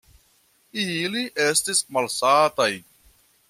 Ili estis malsataj.